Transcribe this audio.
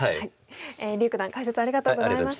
柳九段解説ありがとうございました。